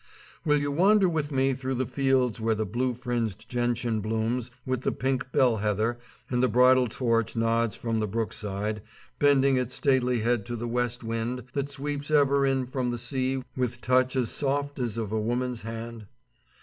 Will you wander with me through the fields where the blue fringed gentian blooms with the pink bell heather, and the bridal torch nods from the brook side, bending its stately head to the west wind that sweeps ever in from the sea with touch as soft as of a woman's hand?